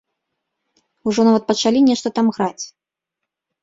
Ужо нават пачалі нешта там граць.